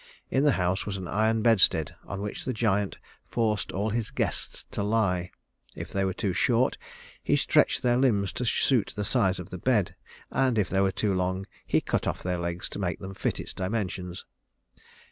In the house was an iron bedstead on which the giant forced all his guests to lie. If they were too short, he stretched their limbs to suit the size of the bed; and if they were too long, he cut off their legs to make them fit its dimensions.